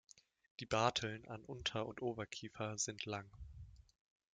Die Barteln an Unter- und Oberkiefer sind lang.